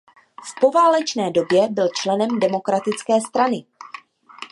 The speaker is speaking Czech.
V poválečné době byl členem Demokratické strany.